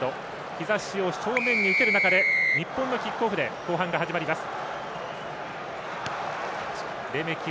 日ざしを正面に受ける中で日本のキックオフで後半が始まります。